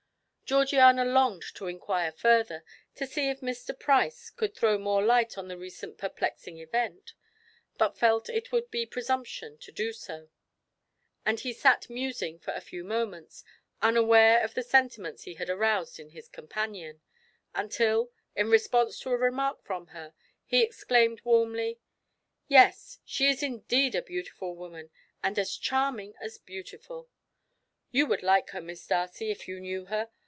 Georgiana longed to inquire further, to see if Mr. Price could throw more light on the recent perplexing event, but felt it would be presumption to do so, and he sat musing for a few moments, unaware of the sentiments he had aroused in his companion, until, in response to a remark from her, he exclaimed warmly: "Yes, she is indeed a beautiful woman, and as charming as beautiful. You would like her, Miss Darcy, if you knew her.